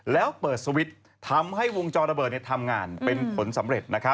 แล้วเปิดสวิตช์ทำให้วงจรระเบิดทำงานเป็นผลสำเร็จ